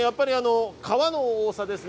川の大きさですね。